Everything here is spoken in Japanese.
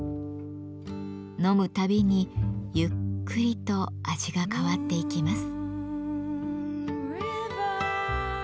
飲むたびにゆっくりと味が変わっていきます。